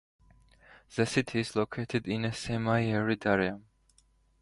The city is located in a semi-arid area.